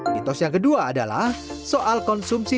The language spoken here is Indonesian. mitos yang kedua adalah soal konsumsi